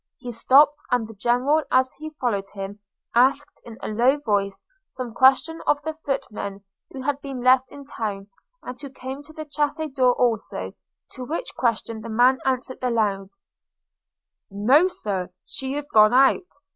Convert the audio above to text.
He stopped; and the General, as he followed him, asked, in a low voice, some question of one of the footmen who had been left in town, and who came to the chaise door also: to which question the man answered aloud, 'No, Sir! She is gone out.'